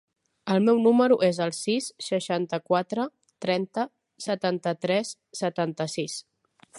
El meu número es el sis, seixanta-quatre, trenta, setanta-tres, setanta-sis.